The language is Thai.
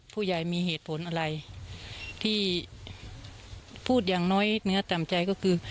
ผู้ใหญ่มีเหตุผลอะไรที่พูดอย่างน้อยเนื้อต่ำใจก็คือ